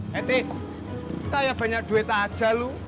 hei tis kita banyak duit aja lu